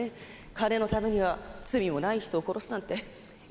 金のためには罪もない人を殺すなんて許せないよ！